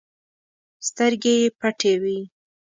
سترګې یې پټې وي.